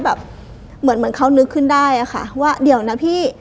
แบบเหมือนเหมือนเขานึกขึ้นได้อะค่ะว่าเดี๋ยวนะพี่